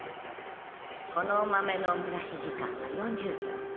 この豆の蒸らし時間は４０秒。